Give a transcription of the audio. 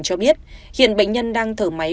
cho biết hiện bệnh nhân đang thở máy